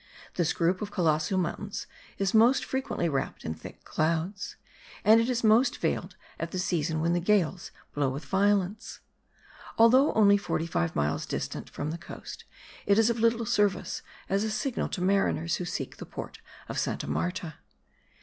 This group of colossal mountains is most frequently wrapped in thick clouds: and it is most veiled at the season when the gales blow with violence. Although only forty five miles distant from the coast, it is of little service as a signal to mariners who seek the port of Saint Marta.